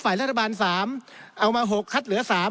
ฝ่ายรัฐบาล๓เอามา๖คัดเหลือ๓